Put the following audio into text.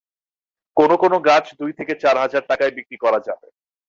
কোনো কোনো গাছ দুই থেকে চার হাজার টাকায় বিক্রি করা যাবে।